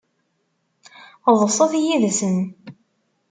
Ḍset yid-sen.